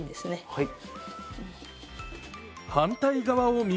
はい。